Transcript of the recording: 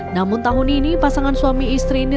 namun tahun ini pasangan suami istri ini